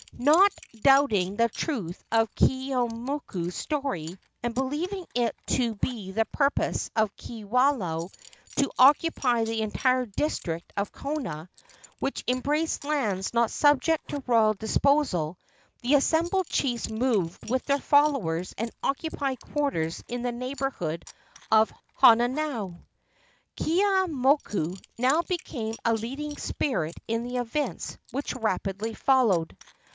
Not doubting the truth of Keeaumoku's story, and believing it to be the purpose of Kiwalao to occupy the entire district of Kona, which embraced lands not subject to royal disposal, the assembled chiefs moved with their followers and occupied quarters in the neighborhood of Honaunau. Keeaumoku now became a leading spirit in the events which rapidly followed.